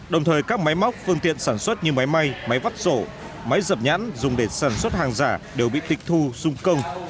đồng thời các máy móc phương tiện sản xuất như máy may máy vắt sổ máy dập nhãn dùng để sản xuất hàng giả đều bị tịch thu xung công